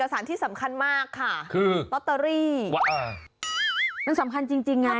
สารที่สำคัญมากค่ะคือลอตเตอรี่ว่ามันสำคัญจริงไง